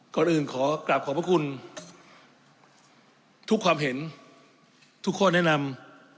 ก่อนอื่นขอกลับขอบพระคุณทุกความเห็นทุกข้อแนะนำ